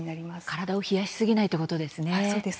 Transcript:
体を冷やしすぎないということですね。